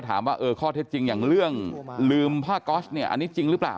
แล้วสรุปแล้วคุณหมอนี่ลืมพากอร์ตไว้จริงไหมครับ